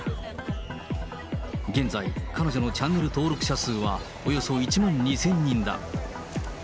現在、彼女のチャンネル登録者数はおよそ１万２０００人だ。